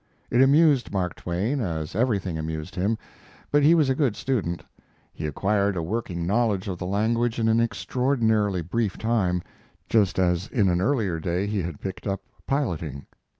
It amused Mark Twain, as everything amused him, but he was a good student; he acquired a working knowledge of the language in an extraordinarily brief time, just as in an earlier day he had picked up piloting.